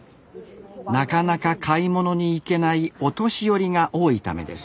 なかなか買い物に行けないお年寄りが多いためです